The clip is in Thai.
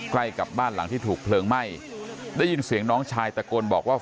ใกล้กับบ้านหลังที่ถูกเพลิงไหม้ได้ยินเสียงน้องชายตะโกนบอกว่า